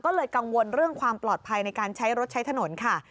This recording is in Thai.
ก็เลยกังวลเรื่องความปลอดภัยในการใช้รถใช้ถนนค่ะ